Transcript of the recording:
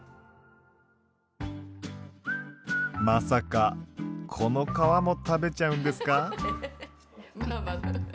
まさかこの皮も食べちゃうんですか？